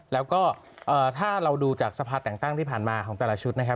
แล้วก็ถ้าเราดูจากสภาแต่งตั้งที่ผ่านมาของแต่ละชุดนะครับ